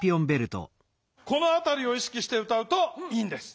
このあたりを意識して歌うといいんです。